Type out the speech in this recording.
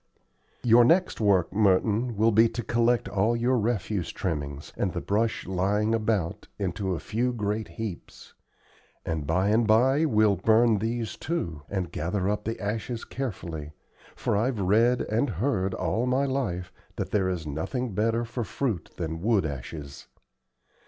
"Your next work, Merton, will be to collect all your refuse trimmings, and the brush lying about, into a few great heaps; and by and by we'll burn these, too, and gather up the ashes carefully, for I've read and heard all my life that there is nothing better for fruit then wood ashes.